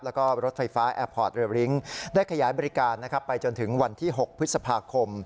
แล้วก็รถไฟฟ้าแอร์พอร์ตเรือลิ้งได้ขยายบริการไปจนถึงวันที่๖พฤษภาคม